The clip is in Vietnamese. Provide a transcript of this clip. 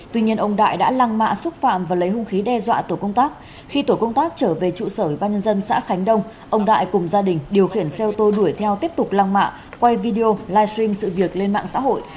tuy nhiên ông đại đã lăng mạ xúc phạm và lấy hung khí đe dọa tổ công tác khi tổ công tác trở về trụ sở ban nhân dân xã khánh đông ông đại cùng gia đình điều khiển xe ô tô đuổi theo tiếp tục lăng mạ quay video livestream sự việc lên mạng xã hội